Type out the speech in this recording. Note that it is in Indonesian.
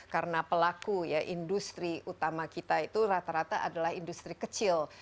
karena pelaku industri utama kita itu rata rata adalah industri kecil